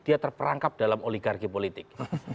dia terperangkap dalam oligarki politik